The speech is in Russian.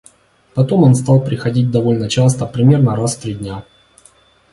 Потом он стал приходить довольно часто, примерно раз в три дня.